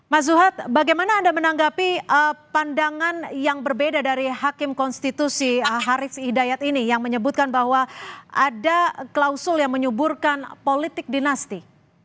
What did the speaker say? mas zuhad bagaimana anda menanggapi pandangan yang berbeda dari hakim konstitusi haris hidayat ini yang menyebutkan bahwa ada klausul yang menyuburkan politik dinasti